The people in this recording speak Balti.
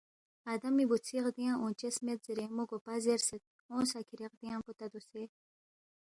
آدمی بُوژھی غدیانگ اونگچس مید زیرے مو گوپا زیرسید، اونگسا کِھری غدیانگ پو تا دوسے؟